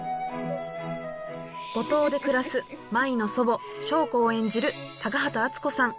五島で暮らす舞の祖母祥子を演じる高畑淳子さん。